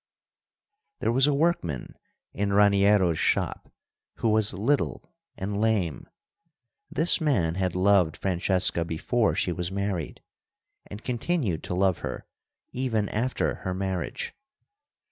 There was a workman in Raniero's shop who was little and lame. This man had loved Francesca before she was married, and continued to love her even after her marriage.